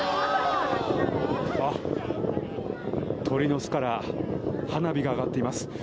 鳥の巣から花火が上がっています。